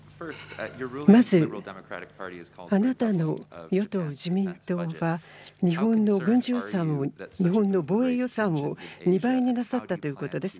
まず、あなたの与党・自民党は日本の軍事予算を、日本の防衛予算を２倍になさったということです。